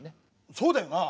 そうだよな！